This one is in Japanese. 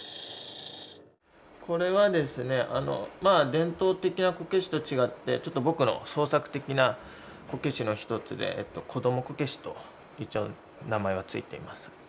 これはですねまあ伝統的なこけしと違ってちょっと僕の創作的なこけしの一つでこどもこけしと一応名前は付いています。